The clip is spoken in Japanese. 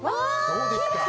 どうですか！